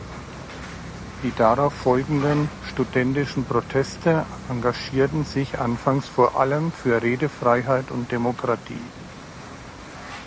Die darauf folgenden studentischen Proteste engagierten sich anfangs vor allem für Redefreiheit und Demokratie.